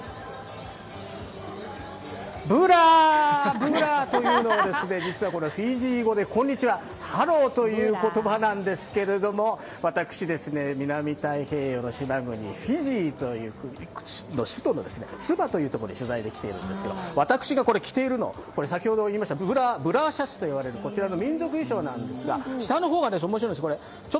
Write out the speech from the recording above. ブーラ！というのは、実はフィジー語でこんにちは、ハローという意味なんですけど私、南太平洋の島国フィジーという国の首都のスバというところに取材に来ているんですけれども私が着ているのはブラーシャツというこちらの民族衣装なんですが、下の方が面白いんです。